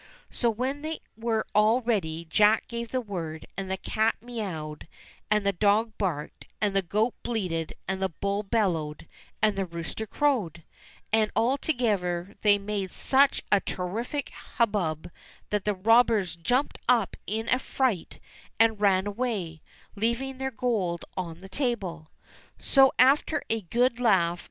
So when they were all ready Jack gave the word, and the cat mewed, and the dog barked, and the goat bleated, and the bull bellowed, and the rooster crowed, and all together they made such a terrific hubbub that the robbers jumped up in a fright and ran away, leaving their gold on the table. So, after a good laugh.